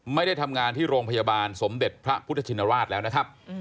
ไม่ได้ทำงานที่โรงพยาบาลสมเด็จพระพุทธชินราชแล้วนะครับ